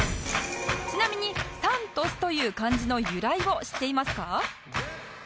ちなみに「三都主」という漢字の由来を知っていますか？